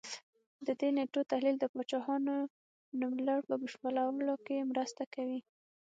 د دې نېټو تحلیل د پاچاهانو نوملړ په بشپړولو کې مرسته کوي